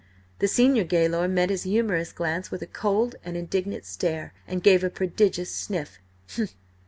The senior gaoler met his humorous glance with a cold and indignant stare, and gave a prodigious sniff.